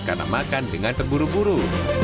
karena makan dengan terburu buru